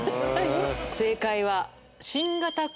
正解は。